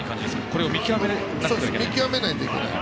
これを見極めないといけない？